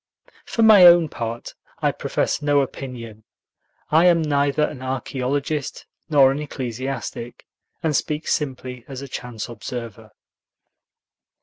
For my own part, I profess no opinion. I am neither an archaeologist nor an ecclesiastic, and speak simply as a chance observer.